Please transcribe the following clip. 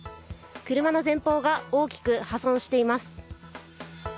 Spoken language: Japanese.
車の前方が大きく破損しています。